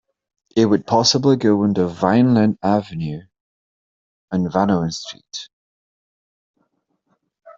It would possibly go under Vineland Avenue and Vanowen Street.